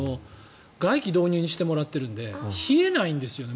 外気導入にしてもらってるので冷えないんですよね